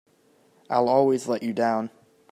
I'll always let you down!